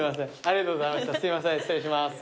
ありがとうございます。